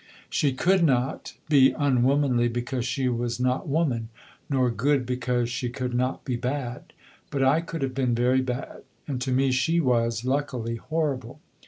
She could not be unwomanly because she was not woman, nor good because she could not be bad. But I could have been very bad; and to me she was, luckily, horrible.